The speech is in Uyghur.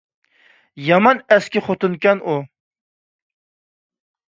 يامان ئەسكى خوتۇنكەن ئۇ!